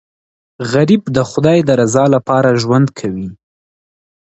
غریب د خدای د رضا لپاره ژوند کوي